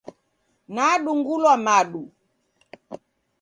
Nadung'ulwa madu.